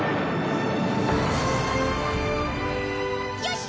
よし！